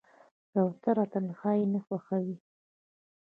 کوتره تنهایي نه خوښوي.